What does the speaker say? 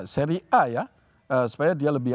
seri a ya supaya dia lebih